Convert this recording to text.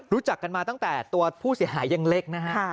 รู้จักกันมาตั้งแต่ตัวผู้เสียหายยังเล็กนะฮะ